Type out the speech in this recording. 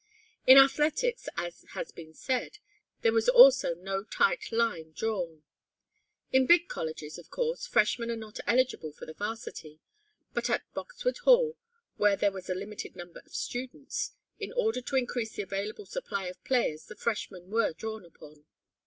In athletics, as has been said, there was also no tight line drawn. In big colleges, of course, freshmen are not eligible for the varsity, but at Boxwood Hall, where there was a limited number of students, in order to increase the available supply of players the freshmen were drawn upon.